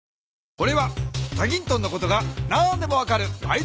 これは『チャギントン』のことが何でも分かるだい